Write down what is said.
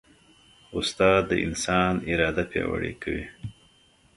استاد د انسان اراده پیاوړې کوي.